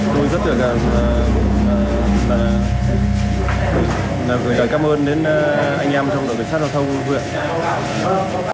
tôi rất được cảm ơn đến anh em trong đội biệt sát giao thông huyện